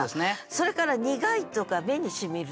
それから「苦い」とか「目に沁みる」とか。